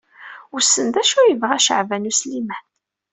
Wissen d acu ay yebɣa Caɛban U Sliman.